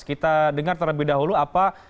kita dengar terlebih dahulu apa